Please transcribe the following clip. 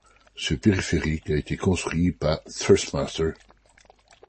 Ce périphérique a été construit par Thrustmaster.